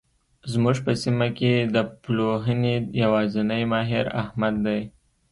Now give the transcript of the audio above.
زموږ په سیمه کې د پلوهنې يوازنی ماهر؛ احمد دی.